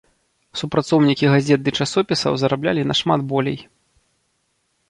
Супрацоўнікі газет ды часопісаў зараблялі нашмат болей.